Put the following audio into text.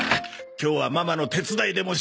今日はママの手伝いでもしてくれ。